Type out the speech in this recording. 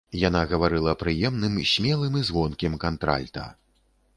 Яна гаварыла прыемным, смелым і звонкім кантральта.